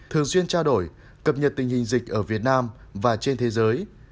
thường xuyên trao đổi cập nhật tình hình dịch ở việt nam và trên thế giới